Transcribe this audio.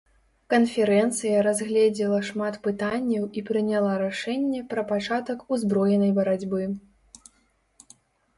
Канферэнцыя разгледзела шмат пытанняў і прыняла рашэнне пра пачатак узброенай барацьбы.